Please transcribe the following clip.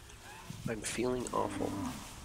I'm feeling awful.